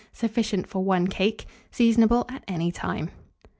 Sufficient for 1 cake. Seasonable at any time.